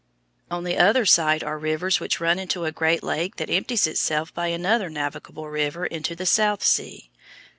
On the other side are rivers which run into a great lake that empties itself by another navigable river into the South Sea.